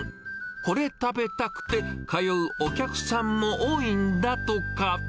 これ食べたくて、通うお客さんも多いんだとか。